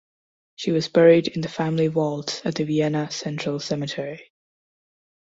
She was buried in the family vault at the Vienna Central Cemetery.